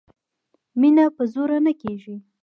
مینه په زور نه کېږي